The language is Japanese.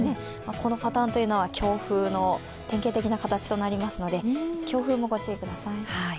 このパターンは強風の典型的な形となりますので強風もご注意ください。